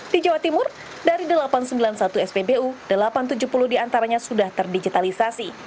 di jawa timur dari delapan ratus sembilan puluh satu spbu delapan ratus tujuh puluh diantaranya sudah terdigitalisasi